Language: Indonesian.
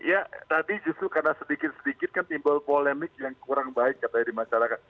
ya tadi justru karena sedikit sedikit kan timbul polemik yang kurang baik katanya di masyarakat